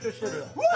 うわ！